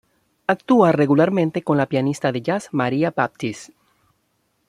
Actúa regularmente con la pianista de jazz Maria Baptist.